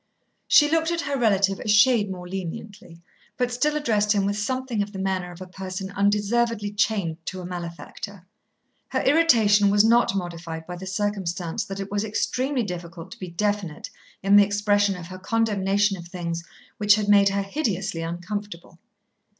She looked at her relative a shade more leniently, but still addressed him with something of the manner of a person undeservedly chained to a malefactor. Her irritation was not modified by the circumstance that it was extremely difficult to be definite in the expression of her condemnation of things which had made her hideously uncomfortable.